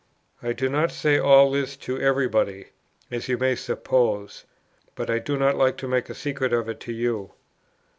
"I do not say all this to every body, as you may suppose; but I do not like to make a secret of it to you."